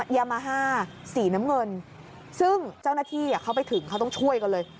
ยามาฮ่าสีน้ำเงินซึ่งเจ้าหน้าที่เขาไปถึงเขาต้องช่วยกันเลย